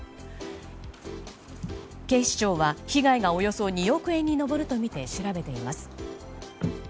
警視庁は被害がおよそ２億円に上るとみて調べています。